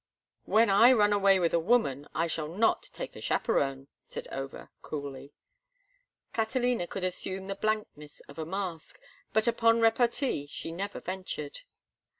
"When I run away with a woman I shall not take a chaperon," said Over, coolly. Catalina could assume the blankness of a mask, but upon repartee she never ventured.